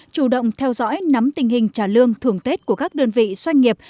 chủ động theo dõi nắm tình hình trả lương thường tết của các đơn vị doanh nghiệp